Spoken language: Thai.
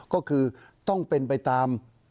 ก็คือต้องเป็นไปตาม